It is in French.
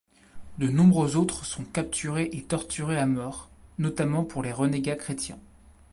De nombreux autres sont capturés et torturés à mort, notamment pour les renégats chrétiens.